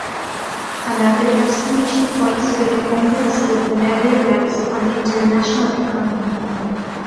Another explanation points to the dependency of the Netherlands on the international economy.